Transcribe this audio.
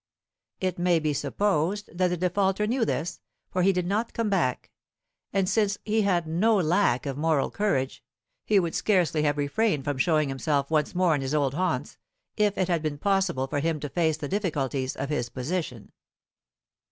It may be supposed that the defaulter knew this, for he did not come back; and since he had no lack of moral courage, he would scarcely have refrained from showing himself once more in his old haunts, if it had been possible for him to face the difficulties of his position.